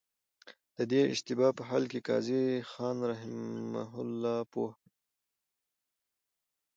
د دې اشتباه په حل کي قاضي خان رحمه الله پوه کړم.